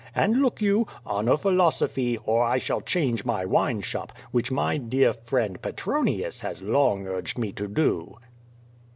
And, look you, honor philosophy, or I shall change my wine shop, which my dear friend Petronius has long urged me to do."